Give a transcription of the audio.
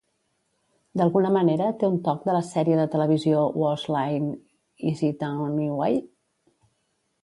D'alguna manera té un toc de la sèrie de televisió "Whose Line Is It Anyway?".